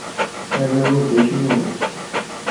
Arraw-iw d akniwen.